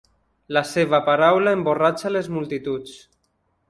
La seva paraula emborratxa les multituds.